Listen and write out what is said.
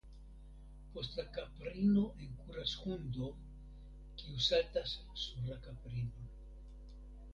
Post la kaprino enkuras hundo, kiu saltas sur la kaprinon.